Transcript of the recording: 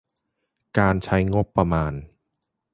การใช้งบประมาณ